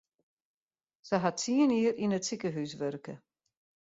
Se hat tsien jier yn it sikehús wurke.